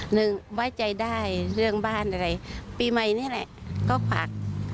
หนึ่งไว้ใจได้เรื่องบ้านอะไรปีใหม่นี่แหละก็ฝาก